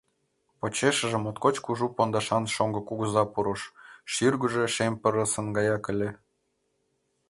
Почешыже моткоч кужу пондашан шоҥго кугыза пурыш, шӱргыжӧ шем пырысын гаяк ыле.